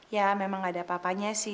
ya memang ada apa apanya sih